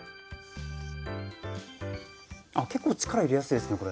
あ結構力入れやすいですねこれ。